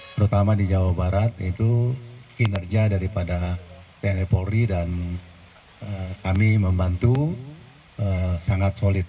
terutama di jawa barat itu kinerja daripada tni polri dan kami membantu sangat solid